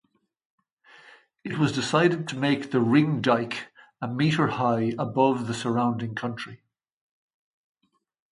It was decided to make the ring-dike a meter high above the surrounding country.